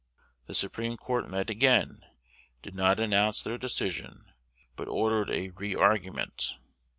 The Supreme Court met again; did not announce their decision, but ordered a re argument.